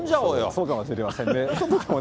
そうかもしれませんね。